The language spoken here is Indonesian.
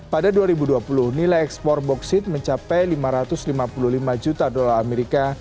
pada dua ribu dua puluh nilai ekspor boksit mencapai lima ratus lima puluh lima juta dolar amerika